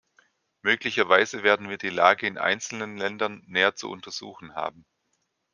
Möglicherweise werden wir die Lage in einzelnen Ländern näher zu untersuchen haben.